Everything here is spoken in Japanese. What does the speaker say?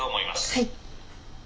はい。